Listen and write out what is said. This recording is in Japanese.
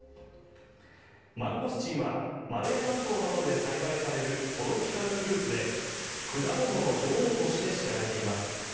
マンゴスチンはマレー半島などで栽培されるトロピカルフルーツで果物の女王として知られています。